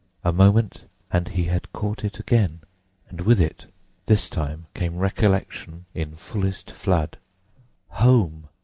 A moment, and he had caught it again; and with it this time came recollection in fullest flood. Home!